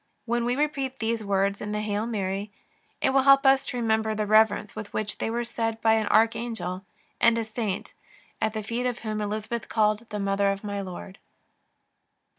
When we repeat these words in the Hail Mary, it will help us to remember the reverence with which they were said by an Archangel and a saint at the feet of her whom Elizabeth called " the Mother of my Lord."